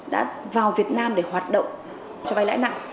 đã vào việt nam để hoạt động cho vay lãi nặng